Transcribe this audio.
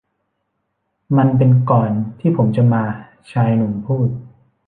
มันเป็นก่อนที่ผมจะมา ชายหนุ่มพูด